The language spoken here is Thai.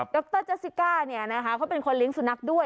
ดรเจสสิก้าเขาเป็นคนเลี้ยงสุนัขด้วย